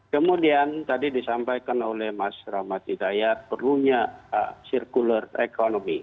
kemudian tadi disampaikan oleh mas rahmatidaya perlunya circular economy